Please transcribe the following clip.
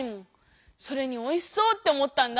それに「おいしそう」って思ったんだ！